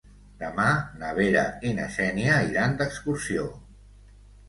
Demà na Vera i na Xènia iran d'excursió.